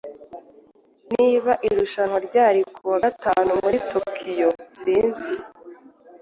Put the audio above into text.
Niba irushanwa ryari kuwa gatanu muri Tokiyo sinzi?